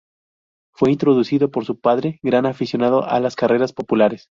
Fue introducido por su padre, gran aficionado a las carreras populares.